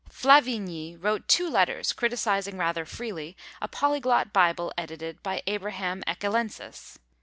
Flavigny wrote two letters, criticising rather freely a polyglot Bible edited by Abraham Ecchellensis.